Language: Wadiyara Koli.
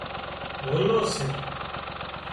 هولو سي